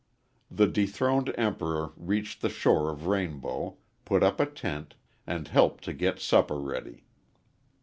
The dethroned Emperor reached the shore of Rainbow, put up a tent, and helped to get supper ready.